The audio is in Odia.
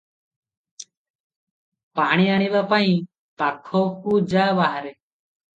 ପାଣି ଆଣିବା ପାଇଁ ପୋଖରୀକୁ ଯାହା ବାହାରେ ।